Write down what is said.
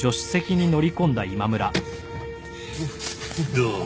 どう？